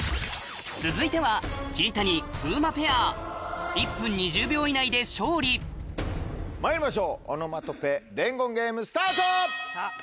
続いては１分２０秒以内で勝利まいりましょうオノマトペ伝言ゲーム。